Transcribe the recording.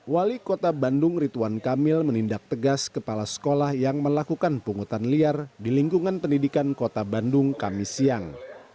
wali kota bandung ridwan kamil menindak tegas kepala sekolah yang melakukan pungutan liar di lingkungan pendidikan kota bandung kamis siang